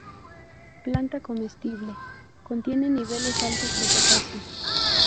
Planta comestible, contiene niveles altos de potasio.